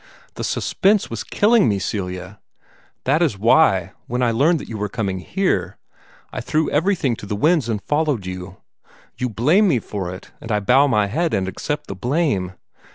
The suspense was killing me, Celia! That is why, when I learned that you were coming here, I threw everything to the winds and followed you. You blame me for it, and I bow my head and accept the blame.